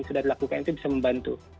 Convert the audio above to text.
sudah dilakukan itu bisa membantu